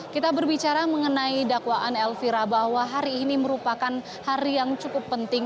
kita berbicara mengenai dakwaan elvira bahwa hari ini merupakan hari yang cukup penting